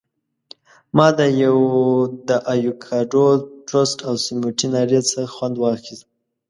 ما د ایوکاډو ټوسټ او سموټي ناري څخه خوند واخیست.